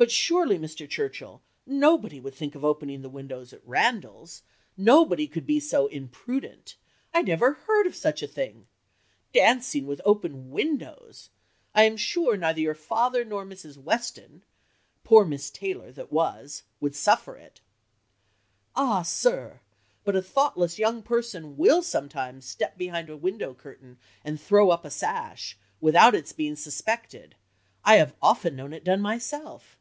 but surely, Mr. Churchill, nobody would think of opening the windows at Randalls. Nobody could be so imprudent! I never heard of such a thing. Dancing with open windows! I am sure neither your father nor Mrs. Weston (poor Miss Taylor that was) would suffer it.' "'Ah! sir but a thoughtless young person will sometimes step behind a window curtain, and throw up a sash, without its being suspected. I have often known it done myself.'